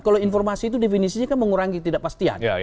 kalau informasi itu definisinya kan mengurangi ketidakpastian